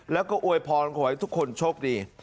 แล้วก็อวยพรขอให้ทุกคนโชคดี